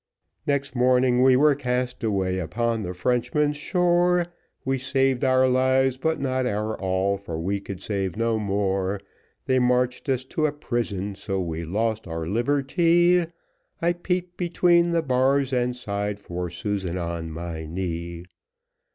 Next morning we were cast away upon the Frenchman's shore, We saved our lives, but not our all, for we could save no more; They marched us to a prison, so we lost our liberty, I peeped between the bars, and sighed for Susan on my knee.